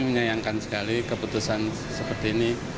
menyayangkan sekali keputusan seperti ini